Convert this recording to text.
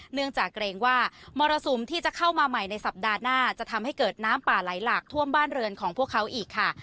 เนื่องจากเกรงว่ามรสุมที่จะเข้ามาใหม่ในสัปดาห์หน้าจะทำให้เกิดน้ำป่าไหลหลากท่วมบ้านเรือนของพวกเขาอีกค่ะ